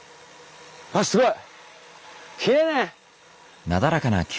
あっすごい！